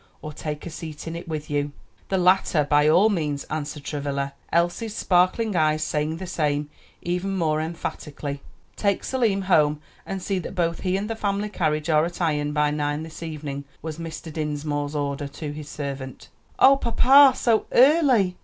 or take a seat in it with you?" "The latter, by all means," answered Travilla, Elsie's sparkling eyes saying the same, even more emphatically. "Take Selim home, and see that both he and the family carriage are at Ion by nine this evening," was Mr. Dinsmore's order to his servant. "Ah, papa! so early!"